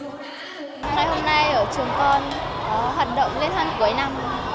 hôm nay ở trường con có hoạt động lên hơn cuối năm